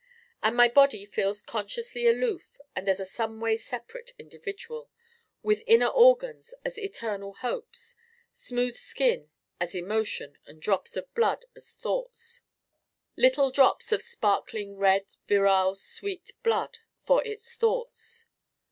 And my Body feels consciously aloof and as a someway separate individual: with inner organs as eternal hopes, smooth skin as emotion and drops of blood as thoughts little drops of sparkling red virile sweet blood for its thoughts.